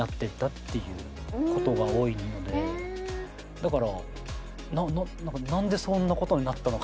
だからなんでそんな事になったのかな？